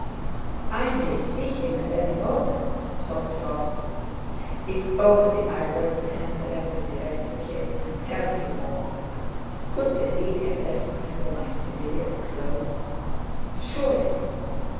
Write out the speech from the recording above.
"I may see him at any moment," thought Rostóv. "If only I were to hand the letter direct to him and tell him all... could they really arrest me for my civilian clothes? Surely not!